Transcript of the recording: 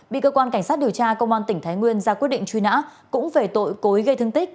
bị cơ quan cảnh sát điều tra công an tỉnh thái nguyên ra quyết định truy nã cũng về tội cối gây thương tích